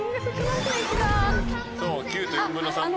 そう９と４分の３番線ね。